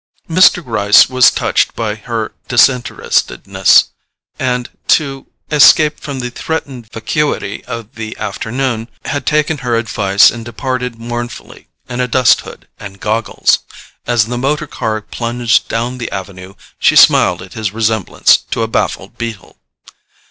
Mr. Gryce was touched by her disinterestedness, and, to escape from the threatened vacuity of the afternoon, had taken her advice and departed mournfully, in a dust hood and goggles: as the motor car plunged down the avenue she smiled at his resemblance to a baffled beetle.